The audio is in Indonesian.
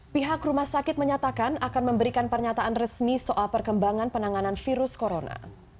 pihak rumah sakit menyatakan akan memberikan pernyataan resmi soal perkembangan penanganan virus corona